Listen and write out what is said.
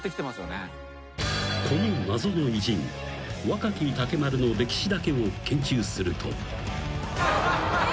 ［この謎の偉人若木竹丸の歴史だけを研究すると］